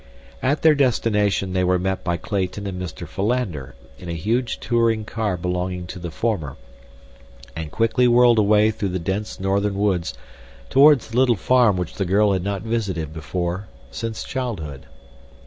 At their destination they were met by Clayton and Mr. Philander in a huge touring car belonging to the former, and quickly whirled away through the dense northern woods toward the little farm which the girl had not visited before since childhood.